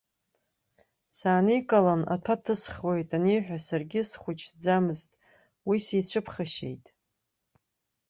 Сааникылан, аҭәа ҭысхуеит аниҳәа, саргьы схәыҷӡамызт, уи сицәыԥхашьеит.